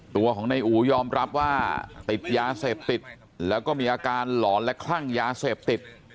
ตัวของนายอู๋ยอมรับว่าติดยาเสพติดแล้วก็มีอาการหลอนและคลั่งยาเสพติด